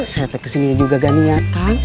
saya kesini juga gak niatan